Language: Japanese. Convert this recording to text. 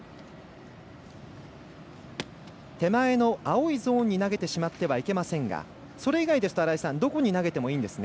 手前の青いゾーンに投げてしまってはいけませんが、それ以外ですとどこに投げてもいいんですね。